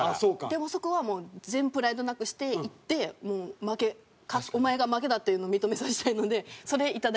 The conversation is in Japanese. でもそこは全プライドなくしていって負けお前が負けだっていうのを認めさせたいのでそれ。